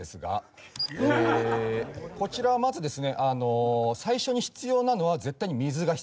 こちらはまずですねあの最初に必要なのは絶対に水が必要ですね。